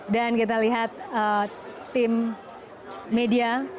dan kita lihat tim media